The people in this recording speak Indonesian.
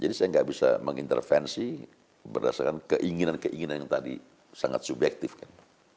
jadi saya nggak bisa mengintervensi berdasarkan keinginan keinginan yang tadi sangat subjektif kan